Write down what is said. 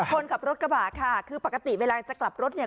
คนขับรถกระบะค่ะคือปกติเวลาจะกลับรถเนี่ย